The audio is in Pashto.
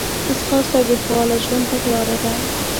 ځغاسته د فعاله ژوند تګلاره ده